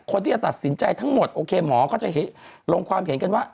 คนที่จะตัดสินใจทั้งหมดโอเคหมอก็จะลงความเห็นกันว่า